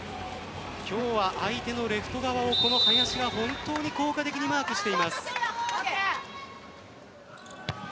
今日は相手のレフト側をこの林が本当に効果的にマークしています。